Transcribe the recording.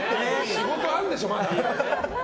仕事あんでしょ、まだ。